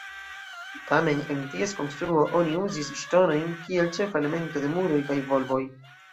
Tamen, en ties konstruo oni uzis ŝtonojn kiel ĉefa elemento de muroj kaj volboj.